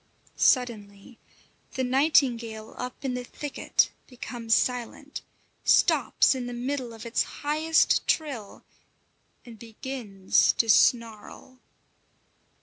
Suddenly the nightingale up in the thicket becomes silent, stops in the middle of its highest trill, and begins to snarl.